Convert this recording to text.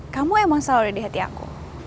kamu emang selalu ada di hati aku